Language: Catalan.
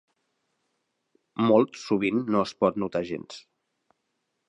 Molts sovint no es pot notar gens.